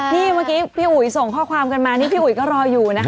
นี่เมื่อกี้พี่อุ๋ยส่งข้อความกันมานี่พี่อุ๋ยก็รออยู่นะคะ